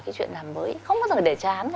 cái chuyện làm mới không bao giờ để chán